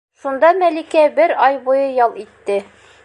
Шунда Мәликә бер ай буйы ял итте.